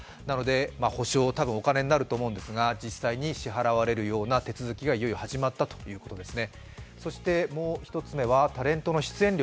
補償、多分お金になると思うんですが実際に支払われるような手続きが始まったということですね。